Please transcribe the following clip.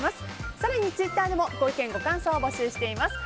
更にツイッターでもご意見、ご感想を募集しています。